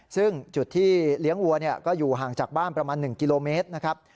ซึ่งจุดที่เลี้ยงวัวก็อยู่ห่างจากบ้านประมาณ๑กิโลเมตรนะครับ